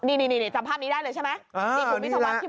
นี่จำภาพนี้ได้เลยใช่ไหม